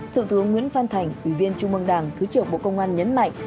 thượng thướng nguyễn phan thành ủy viên trung mương đảng thứ trưởng bộ công an nhấn mạnh